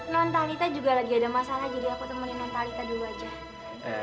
nontalita juga lagi ada masalah jadi aku temenin nontalita dulu aja